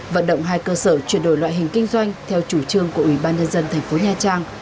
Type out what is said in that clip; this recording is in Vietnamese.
vận động hai cơ sở chuyển đổi loại hình kinh doanh theo chủ trương của ủy ban nhân dân thành phố nha trang